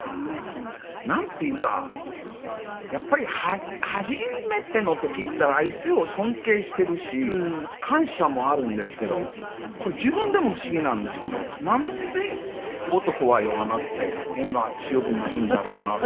なんていうかやっぱり初めての時って相手を尊敬しているし感謝もあるんですけどこれ自分でも不思議なんですけどなんで男は弱なって女は強くなるんだろうなという。